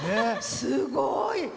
すごい！